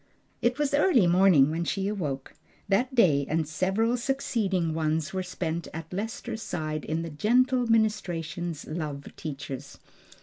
It was early morning when she woke. That day and several succeeding ones were spent at Lester's side in the gentle ministrations love teaches.